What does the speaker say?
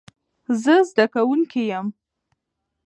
زه زدکونکې ېم